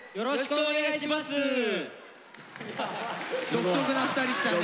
独特な２人来たね。